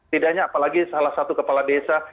tidaknya apalagi salah satu kepala desa